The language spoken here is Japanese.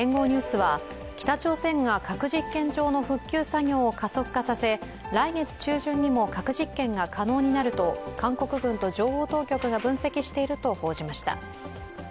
ニュースは、北朝鮮が核実験場の復旧作業を加速化させ、来月中旬にも核実験が可能になると韓国軍と情報当局が分析していると報じました。